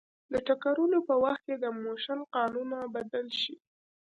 د ټکرونو په وخت د موشن قانونونه بدل شي.